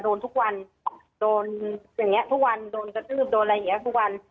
โดนทุกวันโดนอย่างนี้ทุกวันโดนกระทืบโดนอะไรอย่างนี้ทุกวัน